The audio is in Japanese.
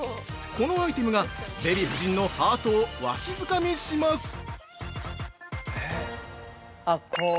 このアイテムがデヴィ夫人のハートをわしづかみします。